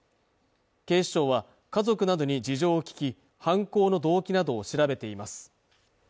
警視庁は家族などに事情を聴き犯行の動機などを調べています